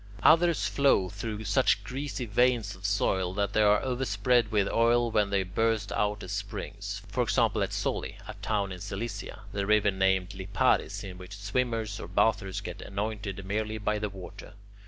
Others flow through such greasy veins of soil that they are overspread with oil when they burst out as springs: for example, at Soli, a town in Cilicia, the river named Liparis, in which swimmers or bathers get anointed merely by the water.